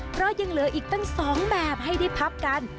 เพราะยังเหลืออีกตั้ง๒แบบให้ได้พับกัน